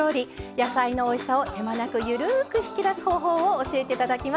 野菜のおいしさを手間なくゆるく引き出す方法を教えて頂きます。